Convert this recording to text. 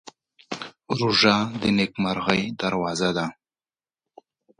روژه د نېکمرغۍ دروازه ده.